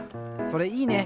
それいいね！